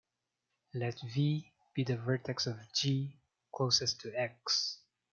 Let "v" be the vertex of "G" closest to "x".